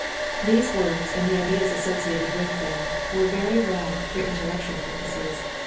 These words and the ideas associated with them were very well for intellectual purposes.